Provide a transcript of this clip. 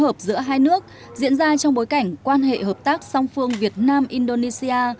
kỳ họp giữa hai nước diễn ra trong bối cảnh quan hệ hợp tác song phương việt nam indonesia